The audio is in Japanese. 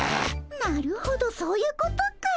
なるほどそういうことかい。